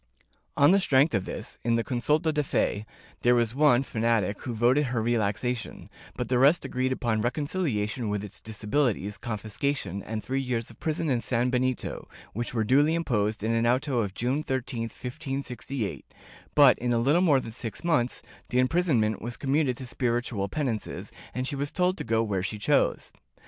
On the strength of this, in the consulta de fe, there was one fanatic who voted her relaxation, but the rest agreed upon recon ciliation with its disabilities, confiscation and three years of prison and sanbenito, which were duly imposed in an auto of June 13, 1568, but, in a little more than six months, the imprisonment was commuted to spiritual penances, and she was told to go where she chose.